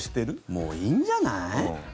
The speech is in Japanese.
もういいんじゃない？